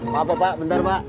maaf pak bentar pak